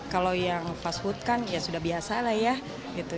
kalau yang fast food kan ya sudah biasa lah ya gitu